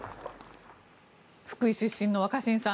福井出身の若新さん